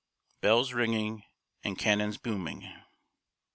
[Sidenote: BELLS RINGING AND CANNONS BOOMING.